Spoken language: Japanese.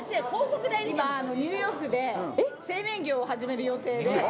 今、ニューヨークで製麺業を始める予定で。